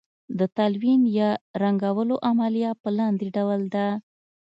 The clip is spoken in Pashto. د تلوین یا رنګولو عملیه په لاندې ډول ده.